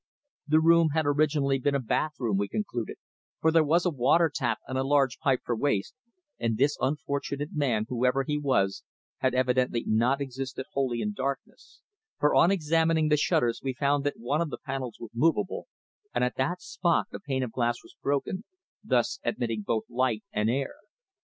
The room had originally been a bathroom, we concluded, for there was a water tap and a large pipe for waste, and this unfortunate man, whoever he was, had evidently not existed wholly in darkness, for on examining the shutters we found that one of the panels was movable, and at that spot the pane of glass was broken, thus admitting both light and air.